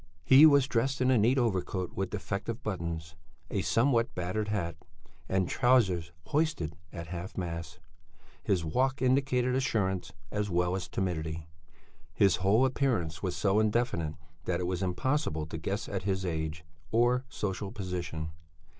He was dressed in a neat overcoat with defective buttons, a somewhat battered hat, and trousers hoisted at half mast. His walk indicated assurance as well as timidity. His whole appearance was so indefinite that it was impossible to guess at his age or social position.